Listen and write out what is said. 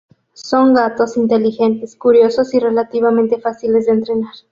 Son gatos inteligentes, curiosos, y relativamente fáciles de entrenar.